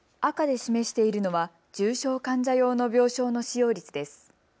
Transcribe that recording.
赤で示しているのは重症患者用の病床の使用率です。